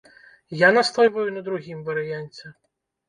Я настойваю на другім варыянце.